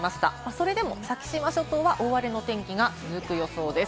それでも先島諸島は大荒れの天気が続く予想です。